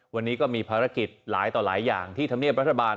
วันนี้ก็มีภารกิจหลายต่อหลายอย่างที่ธรรมเนียบรัฐบาล